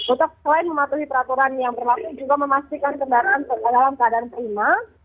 untuk selain mematuhi peraturan yang berlaku juga memastikan kendaraan dalam keadaan prima